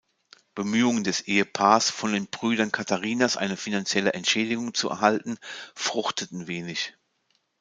Bemühungen des Ehepaars, von den Brüdern Katharinas eine finanzielle Entschädigung zu erhalten, fruchteten wenig.